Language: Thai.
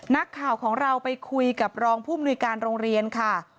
นักข่าวของเราไปคุยกับรองผู้มนุยการโรงเรียนค่ะ